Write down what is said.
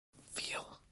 Fil.